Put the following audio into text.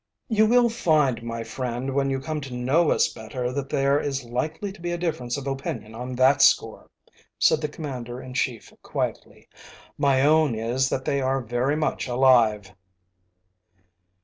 "You will find, my friend, when you come to know us better, that there is likely to be a difference of opinion on that score," said the Commander in Chief quietly. "My own is that they are very much alive."